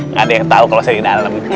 nggak ada yang tahu kalau saya di dalam